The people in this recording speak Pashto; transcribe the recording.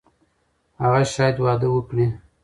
هغه شاید واده وکړي.